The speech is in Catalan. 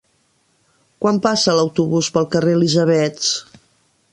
Quan passa l'autobús pel carrer Elisabets?